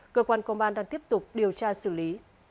cơ quan công an đang tiếp tục điều tra xử lý